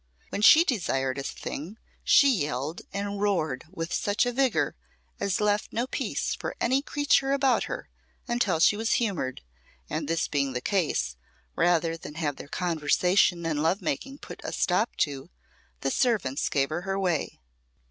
When she desired a thing, she yelled and roared with such a vigour as left no peace for any creature about her until she was humoured, and this being the case, rather than have their conversation and love making put a stop to, the servants gave her her way.